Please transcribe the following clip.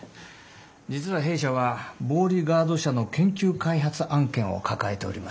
実は弊社はボーリガード社の研究開発案件を抱えております。